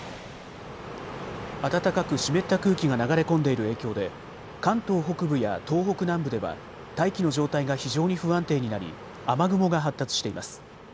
暖かく湿った空気が流れ込んでいる影響で関東北部や東北南部では大気の状態が非常に不安定になり雨雲が発達しています。